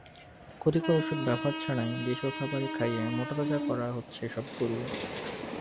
ক্ষতিকর ওষুধ ব্যবহার ছাড়াই দেশীয় খাবার খাইয়ে মোটাতাজা করা হচ্ছে এসব গরু।